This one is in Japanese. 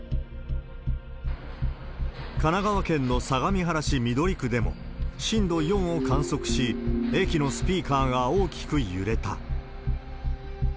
神奈川県の相模原市緑区でも震度４を観測し、駅のスピーカーが大きく揺れた。